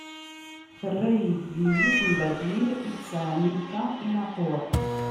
Terra-yi-d: D yelli-s n Batwil i d-tesɛa Milka i Naḥuṛ.